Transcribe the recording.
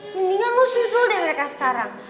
mendingan lo susul deh mereka sekarang